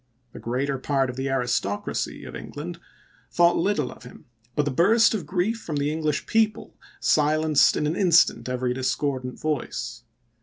The greater part of the aristocracy of England thought little of him, but the burst of grief from the English people silenced in an instant every discordant voice.